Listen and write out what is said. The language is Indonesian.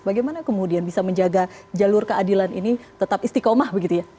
bagaimana kemudian bisa menjaga jalur keadilan ini tetap istiqomah begitu ya